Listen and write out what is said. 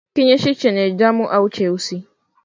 Kinyesi chenye damu au cheusi